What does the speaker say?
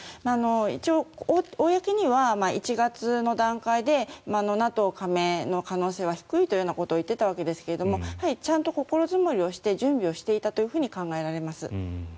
一応、公には１月の段階でＮＡＴＯ加盟の可能性は低いということを言っていたわけですがちゃんと心積もりをして準備をしていたと考えられます。